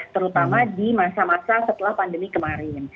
terutama di masa masa setelah pandemi kemarin